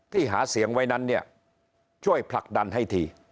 ที่หาเสียงไว้นั้นช่วยผลักดันให้ที